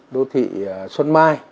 đô thị xuân mai